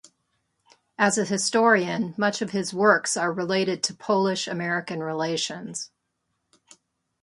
As a historian, much of his works are related to Polish-American relations.